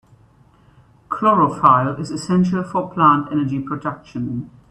Chlorophyll is essential for plant energy production.